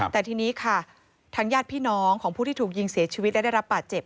แต่ทีนี้ค่ะทางญาติพี่น้องของผู้ที่ถูกยิงเสียชีวิตและได้รับบาดเจ็บ